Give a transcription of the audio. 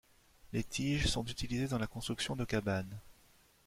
Les tiges sont utilisées dans la construction de cabanes.